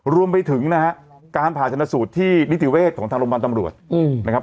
รวมไปถึงนะฮะการผ่าชนสูตรที่นิติเวศของทางโรงพยาบาลตำรวจนะครับ